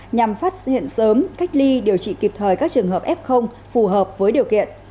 nhằm phát hiện sớm cách ly điều trị kịp thời các trường hợp f phù hợp với điều kiện